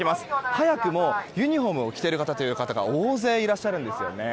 早くもユニホームを着ている方が大勢いらっしゃるんですね。